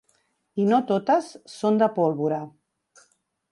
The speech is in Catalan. I no totes són de pólvora.